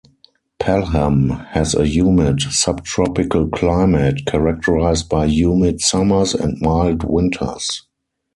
Pelham has a humid subtropical climate, characterized by humid summers and mild winters.